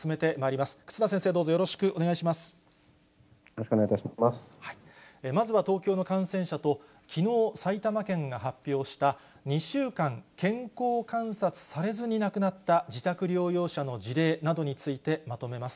まずは東京の感染者と、きのう埼玉県が発表した、２週間健康観察されずに亡くなった自宅療養者の事例などについて、まとめます。